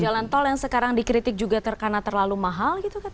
jalan tol yang sekarang dikritik juga karena terlalu mahal gitu kan